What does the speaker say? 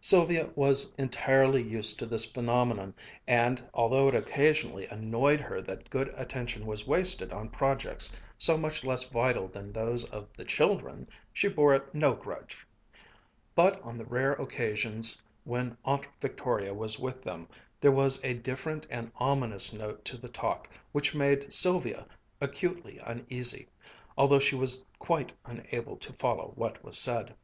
Sylvia was entirely used to this phenomenon and, although it occasionally annoyed her that good attention was wasted on projects so much less vital than those of the children, she bore it no grudge. But on the rare occasions when Aunt Victoria was with them, there was a different and ominous note to the talk which made Sylvia acutely uneasy, although she was quite unable to follow what was said.